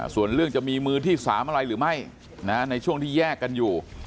ส่วนเรื่องจะมีมือที่๓อะไรหรือไม่ในช่วงที่แยกกันอยู่